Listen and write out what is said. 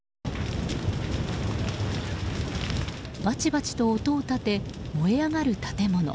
バチバチと音を立て燃え上がる建物。